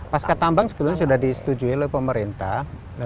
pasca tambang sebetulnya sudah disetujui oleh pemerintah